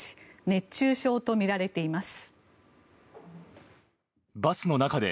熱中症とみられています。